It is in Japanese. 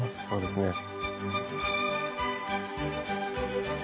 そうですね。